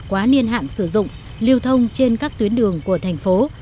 quá niên hạn sử dụng lưu thông trên các tuyến đường của thành phố